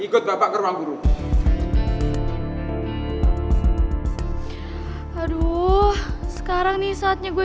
loh kok ke ruang guru sih pak emangnya ada apa ya pak